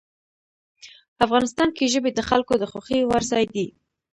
افغانستان کې ژبې د خلکو د خوښې وړ ځای دی.